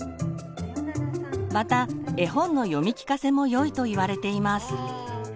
また絵本の読み聞かせもよいといわれています。